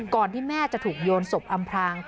ที่แม่จะถูกโยนศพอำพราง